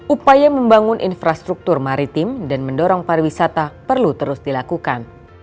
upaya membangun infrastruktur maritim dan mendorong pariwisata perlu terus dilakukan